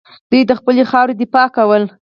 دوی د خپلې خاورې دفاع کوله